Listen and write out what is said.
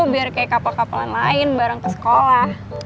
biar kayak kapal kapalan lain barang ke sekolah